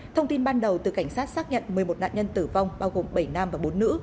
thông tin ban đầu từ cảnh sát xác nhận một mươi một nạn nhân tử vong bao gồm bảy nam và bốn nữ